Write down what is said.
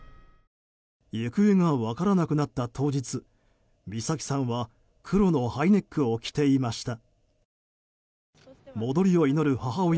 行方が分からなくなった当日美咲さんは黒のハイネックを着ていました。